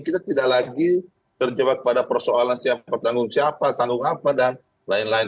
kita tidak lagi terjebak pada persoalan siapa tanggung siapa tanggung apa dan lain lain